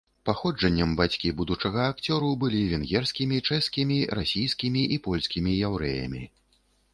Паходжаннем бацькі будучага акцёру былі венгерскімі, чэшскімі, расійскімі і польскімі яўрэямі.